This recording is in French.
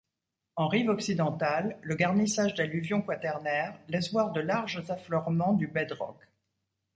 En rive occidentale le garnissage d'alluvions quaternaires laisse voir de larges affleurements du bedrock.